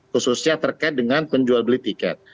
khususnya terkait dengan penjual beli tiket